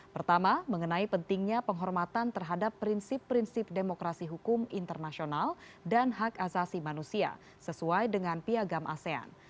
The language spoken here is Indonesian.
pertama mengenai pentingnya penghormatan terhadap prinsip prinsip demokrasi hukum internasional dan hak asasi manusia sesuai dengan piagam asean